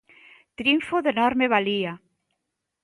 Triunfo de enorme valía.